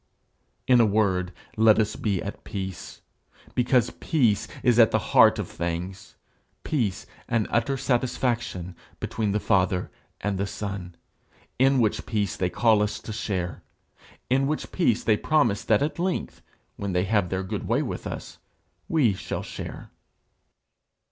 "' In a word, let us be at peace, because peace is at the heart of things peace and utter satisfaction between the Father and the Son in which peace they call us to share; in which peace they promise that at length, when they have their good way with us, we shall share.